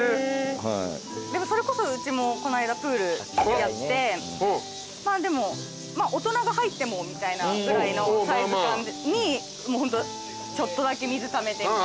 でもそれこそうちもこの間プールやってでも大人が入ってもみたいなぐらいのサイズ感にホントちょっとだけ水ためてみたいな。